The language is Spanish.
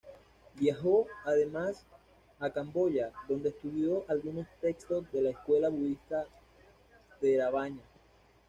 Viajó además a Camboya, donde estudió algunos textos de la escuela budista Theravāda.